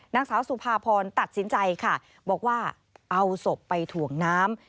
นางสาวสุภาพรตัดสินใจค่ะบอกว่าเอาศพไปถ่วงน้ำ